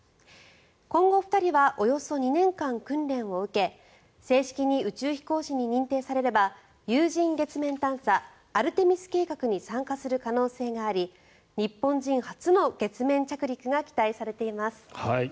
今後２人はおよそ２年間、訓練を受け正式に宇宙飛行士に認定されれば有人月面探査アルテミス計画に参加する可能性があり日本人初の月面着陸が期待されています。